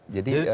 jadi ya kan